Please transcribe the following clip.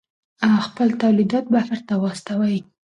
خپل تولیدات بهر ته واستوئ.